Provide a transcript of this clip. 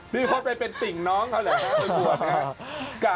พี้พดไปเป็นติ่งน้องเขาเลยค่ะ